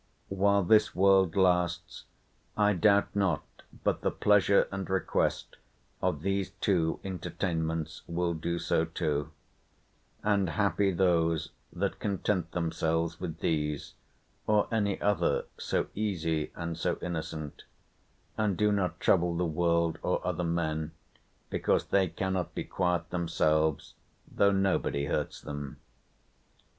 While this world lasts, I doubt not but the pleasure and request of these two entertainments will do so too; and happy those that content themselves with these, or any other so easy and so innocent, and do no trouble the world or other men, because they cannot be quiet themselves, though nobody hurts them."